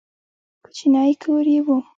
کوچنی کور یې و.